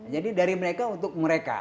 jadi dari mereka untuk mereka